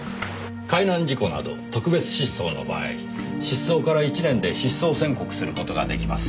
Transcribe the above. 海難事故など「特別失踪」の場合失踪から１年で「失踪宣告」する事が出来ます。